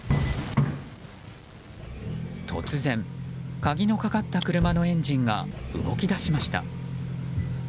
突然、鍵のかかった車のエンジンが動き出しました。